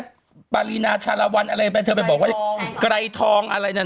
ปารีนาชาลวันอะไรไปเธอไปบอกว่าไกรทองอะไรนั่น